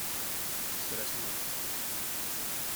Cela se voit